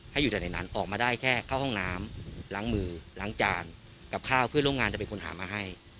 ให้อยู่แต่ในนั้นออกมาได้แค่เข้าห้องน้ำล้างมือล้างจานกับข้าวเพื่อนร่วมงานจะเป็นคนหามาให้